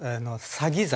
詐欺罪。